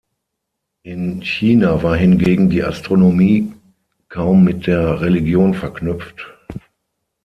In China war hingegen die Astronomie kaum mit der Religion verknüpft.